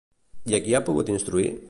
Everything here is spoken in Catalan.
I a qui ha pogut instruir?